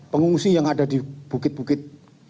pengungsi yang ada di bukit bukit